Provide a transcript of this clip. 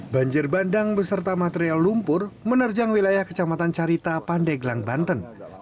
banjir bandang beserta material lumpur menerjang wilayah kecamatan carita pandeglang banten